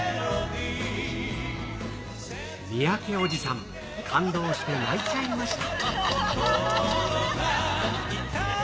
三宅おじさん、感動して泣いちゃいました。